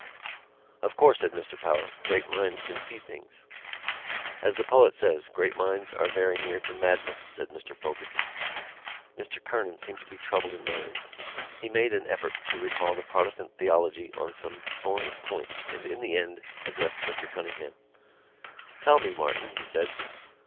"O, of course," said Mr Power, "great minds can see things." "As the poet says: Great minds are very near to madness," said Mr Fogarty. Mr Kernan seemed to be troubled in mind. He made an effort to recall the Protestant theology on some thorny points and in the end addressed Mr Cunningham. "Tell me, Martin," he said.